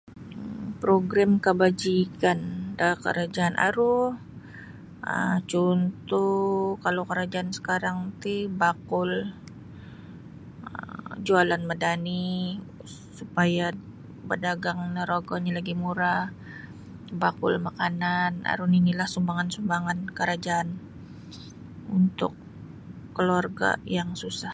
Progrim kabajikan da karajaan aruu um cuntuh kalau karajaan sakarang ti bakul jualan um madani supaya badagang no rogonyo lagi murah bakul makanan aru nini'lah sumbangan-sumbangan karajaan untuk kaluarga yang susah